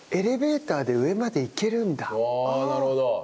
ああなるほど。